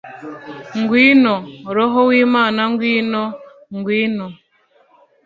ngwino, roho w'imana ngwino, ngwino